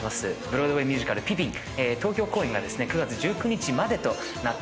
ブロードウェイミュージカル『ピピン』東京公演がですね９月１９日までとなっております。